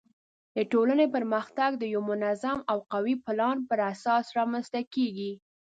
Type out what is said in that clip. د ټولنې پرمختګ د یوه منظم او قوي پلان پر اساس رامنځته کیږي.